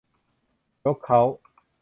ยกเค้า